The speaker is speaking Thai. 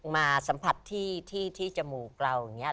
มาสัมผัสที่จมูกเราอย่างนี้